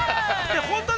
本当に。